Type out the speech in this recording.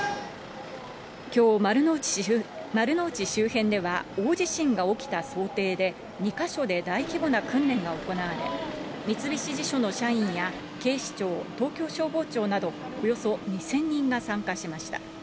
きょう、丸の内周辺では、大地震が起きた想定で、２か所で大規模な訓練が行われ、三菱地所の社員や警視庁、東京消防庁などおよそ２０００人が参加しました。